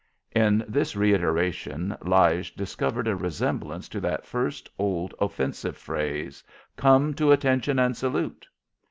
In this reiteration Lige discovered a resemblance to that first old offensive phrase, "Come to attention and salute."